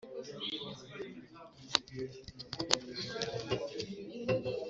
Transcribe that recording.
Rwanda mu Muryango ugamije Kurwanya